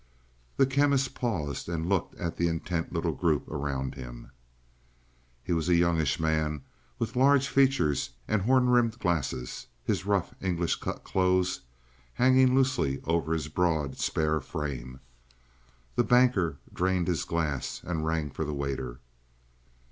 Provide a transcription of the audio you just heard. The Chemist paused, and looked at the intent little group around him. He was a youngish man, with large features and horn rimmed glasses, his rough English cut clothes hanging loosely over his broad, spare frame. The Banker drained his glass and rang for the waiter.